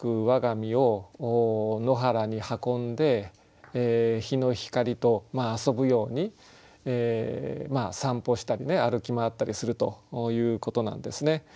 我が身を野原に運んで日の光と遊ぶように散歩したり歩き回ったりするということなんですね。